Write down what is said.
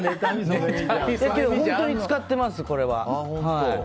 けど本当に使ってます、これは。